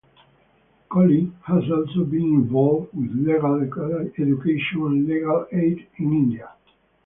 Kohli has also been involved with legal education and legal aid in India.